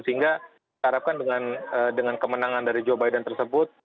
sehingga harapkan dengan kemenangan dari joe biden tersebut